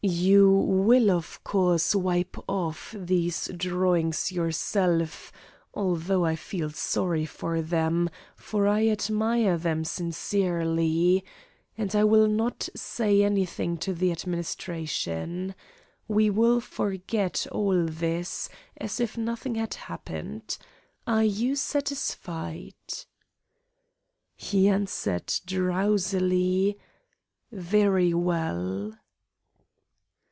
You will of course wipe off these drawings yourself although I feel sorry for them, for I admire them sincerely and I will not say anything to the administration. We will forget all this, as if nothing had happened. Are you satisfied?" He answered drowsily: "Very well."